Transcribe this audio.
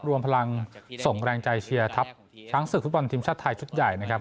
รวมพลังส่งแรงใจเชียร์ทัพช้างศึกฟุตบอลทีมชาติไทยชุดใหญ่นะครับ